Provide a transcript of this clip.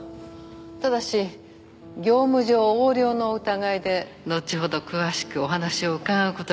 ただし業務上横領の疑いでのちほど詳しくお話を伺う事になると思いますが。